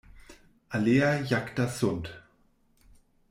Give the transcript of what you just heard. Alea jacta sunt.